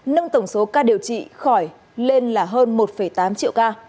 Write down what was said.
nâng tổng số ca điều trị khỏi lên là hơn một tám triệu ca